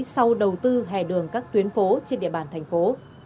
sau đầu tư hè đường các tuyến phố trên địa bàn thành phố